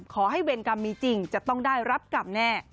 เวรกรรมมีจริงจะต้องได้รับกรรมแน่